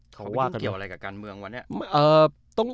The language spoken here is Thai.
เขาไม่ต้องเกี่ยวอะไรกับการเมืองวะเนี่ย